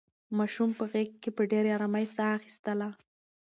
ماشوم په غېږ کې په ډېرې ارامۍ ساه اخیستله.